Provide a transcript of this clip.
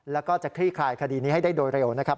แล้วก็จะคลี่คลายคดีนี้ให้ได้โดยเร็วนะครับ